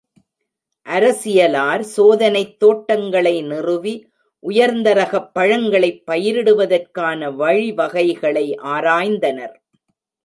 அரசியலார் சோதனைத் தோட்டங்களை நிறுவி, உயர்ந்தரகப் பழங்களைப் பயிரிடுவதற்கான வழிவகைகளை ஆராய்ந்தனர்.